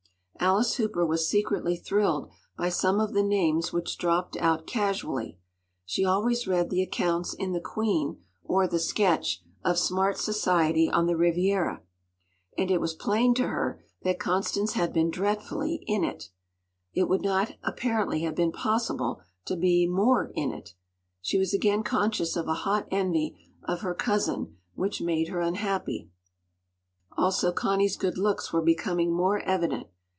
Alice Hooper was secretly thrilled by some of the names which dropped out casually. She always read the accounts in the Queen, or the Sketch, of “smart society” on the Riviera, and it was plain to her that Constance had been dreadfully “in it.” It would not apparently have been possible to be more “in it.” She was again conscious of a hot envy of her cousin which made her unhappy. Also Connie’s good looks were becoming more evident.